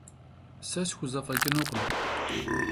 Se sxuzefeç'ınukhım.